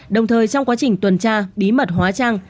đồng thời trong quá trình tuần tra bí mật hóa trang